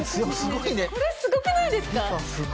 これすごくないですか？